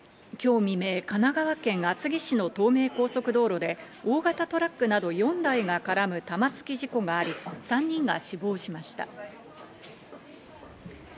今日未明、神奈川県厚木市の東名高速道路で大型トラックなど４台が絡む玉突き事故があり、３人が死亡しました。